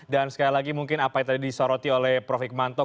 dan sekali lagi mungkin apa yang tadi disoroti oleh prof hikmanto